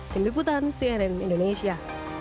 pilih butang cnn indonesia